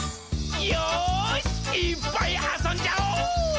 よーし、いーっぱいあそんじゃお！